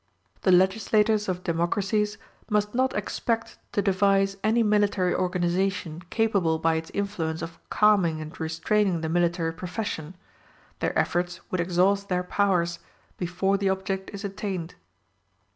The legislators of democracies must not expect to devise any military organization capable by its influence of calming and restraining the military profession: their efforts would exhaust their powers, before the object is attained.